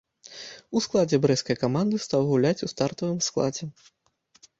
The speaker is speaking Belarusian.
У складзе брэсцкай каманды стаў гуляць у стартавым складзе.